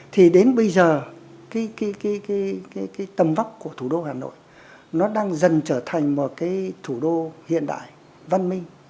thì đến bây giờ tầm vóc của thủ đô hà nội đang dần trở thành một thủ đô hiện đại văn minh